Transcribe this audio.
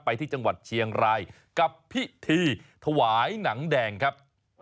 ไปที่จังหวัดเชียงรายกับพิธีถวายหนังแดงครับ